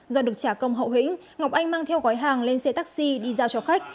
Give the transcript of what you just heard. do được trả công hậu hĩnh ngọc anh mang theo gói hàng lên xe taxi đi giao cho khách